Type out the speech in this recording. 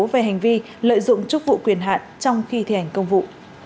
về hành vi lợi dụng chức vụ quyền hạn trong khi thi hành công vụ